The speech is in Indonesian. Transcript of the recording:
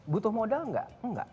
butuh modal enggak enggak